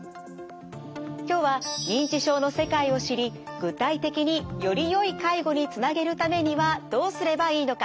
今日は認知症の世界を知り具体的によりよい介護につなげるためにはどうすればいいのか。